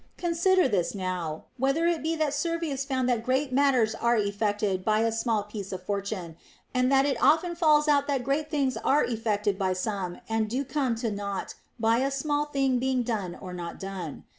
* Consider this now, whether it be that Servius found that great matters are effected by a small piece of Fortune, and that it often falls out that great things are effected by some or do come to nought by a small thing being done or not done.